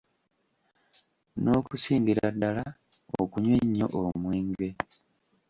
N'okusingira ddala, okunywa ennyo omwenge.